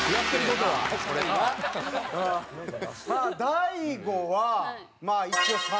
大悟はまあ一応△。